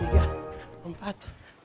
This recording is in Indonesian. dua tiga empat